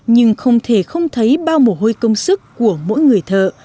nhưng không thể không thấy bao mồ hôi công sức của mỗi người thợ